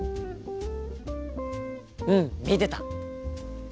うん見てた！